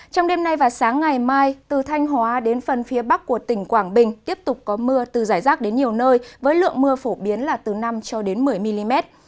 trong đêm nay và sáng ngày mai từ thanh hóa đến phần phía bắc của tỉnh quảng bình tiếp tục có mưa từ giải rác đến nhiều nơi với lượng mưa phổ biến là từ năm cho đến một mươi mm